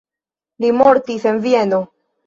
Li mortis en Vieno.